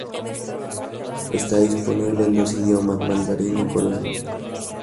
Está disponible en dos idiomas, mandarín y coreano.